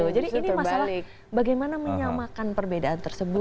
jadi ini masalah bagaimana menyamakan perbedaan tersebut